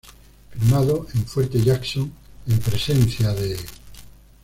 Firmado en fuerte Jackson, en presencia de--